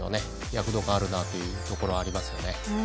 躍動感あるなというところありますよね。